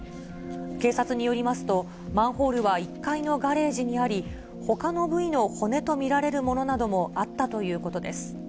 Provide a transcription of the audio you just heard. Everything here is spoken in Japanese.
警察によりますと、マンホールは１階のガレージにあり、ほかの部位の骨と見られるものなどもあったということです。